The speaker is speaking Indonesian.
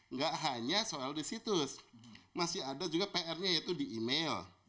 nggak hanya soal di situs masih ada juga pr nya yaitu di email